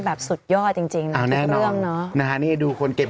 แบบสุดยอดจริงจริงนะทุกเรื่องเนอะนะฮะนี่ดูคนเก็บ